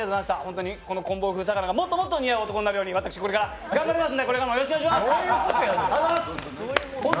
本当にこのこん棒風さかながもっともっと似合う男になるように私頑張りますので、これからもよろしくお願いします！